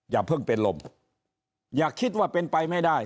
อย่าเพิ่งเป็นลมอย่าคิดว่าเป็นไปไม่ได้